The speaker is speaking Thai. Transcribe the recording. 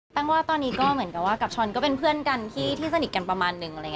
แป้งว่าตอนนี้ก็เหมือนกับช้อนก็เป็นเพื่อนกันที่สนิทกันประมาณหนึ่ง